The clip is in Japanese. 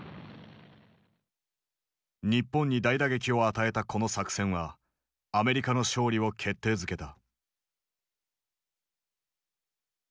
日本に大打撃を与えたこの作戦はアメリカの勝利を決定づけた。